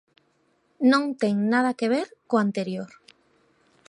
Non ten nada que ver co anterior.